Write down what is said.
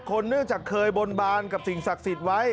เนื่องจากเคยบนบานกับสิ่งศักดิ์สิทธิ์ไว้